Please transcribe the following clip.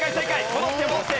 戻って戻って。